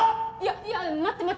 いや待って待って待って。